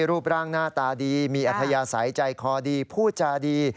รูปร่างหน้าตาดีมีอัธยาศัยใจคอดีพูดจาดี